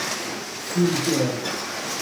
คินเจน